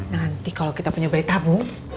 nanti kalau kita punya bayi tabung